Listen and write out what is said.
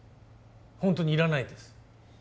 ホントにいらないです